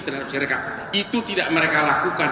terhadap masyarakat itu tidak mereka lakukan